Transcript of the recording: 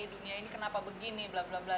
dunia ini kenapa begini blablabla